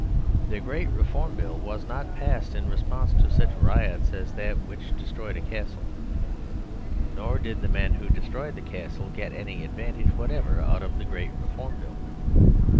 The Great Reform Bill was not passed in response to such riots as that which destroyed a Castle; nor did the men who destroyed the Castle get any advantage whatever out of the Great Reform Bill.